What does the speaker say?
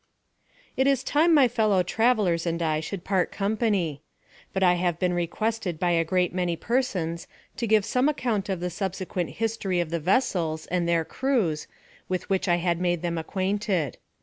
It is time my fellow travellers and I should part company. But I have been requested by a great many persons to give some account of the subsequent history of the vessels and their crews, with which I had made them acquainted.